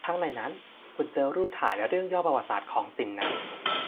ข้างในนั้น คุณจะเจอรูปถ่ายและเรื่องย่อประวัติศาสตร์ของของสินนั้น